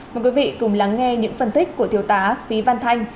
mời quý vị cùng lắng nghe những phân tích của thiếu tá phí văn thanh